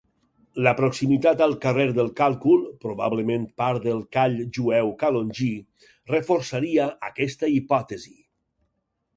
La proximitat al carrer del Càlcul -probablement part del Call jueu calongí- reforçaria aquesta hipòtesi.